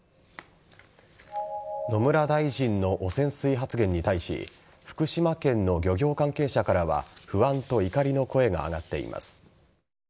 野村大臣の汚染水発言に対し福島県の漁業関係者からは不安と怒りの声が上がっています。